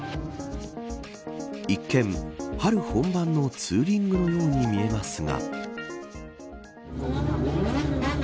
一見、春本番のツーリングのように見えますが。